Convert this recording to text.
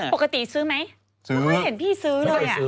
ปกติซื้อไหมไม่ค่อยเห็นพี่ซื้อเลยอ่ะคนนี้ไม่ค่อยซื้อ